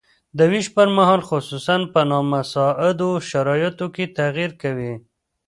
د ویش پرمهال خصوصاً په نامساعدو شرایطو کې تغیر کوي.